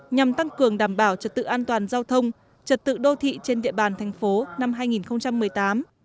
nhằm tăng cường đảm bảo trật tự an toàn giao thông trật tự đô thị trên địa bàn thành phố năm hai nghìn một mươi tám